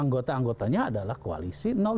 anggota anggotanya adalah koalisi